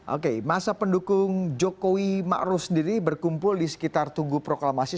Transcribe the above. oke masa pendukung jokowi makru sendiri berkumpul di sekitar tugu proklamasi